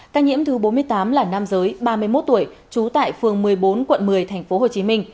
ca nhiễm thứ bốn mươi tám là nam giới ba mươi một tuổi trú tại phường một mươi bốn quận một mươi tp hcm